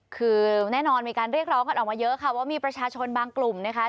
คือแน่นอนมีการเรียกร้องกันออกมาเยอะค่ะว่ามีประชาชนบางกลุ่มนะคะ